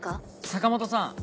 坂本さん